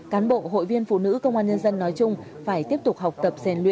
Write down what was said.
cán bộ hội viên phụ nữ công an nhân dân nói chung phải tiếp tục học tập